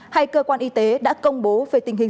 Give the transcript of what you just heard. hay cơ quan y tế đã công bố về tình hình